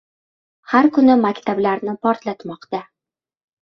har kuni maktablarni portlatmoqda.